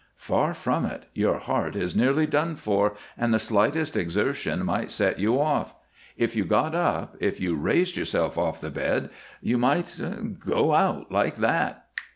"Far from it. Your heart is nearly done for, and the slightest exertion might set you off. If you got up, if you raised yourself off the bed, you might go out like that."